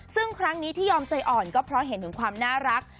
ซึ่งครั้งนี้ที่ยอมใจอ่อนก็เพราะเห็นถึงความน่ารัก